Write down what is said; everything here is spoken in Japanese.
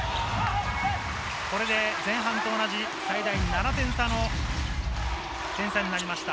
これで前半と同じ最大７点差の点差になりました。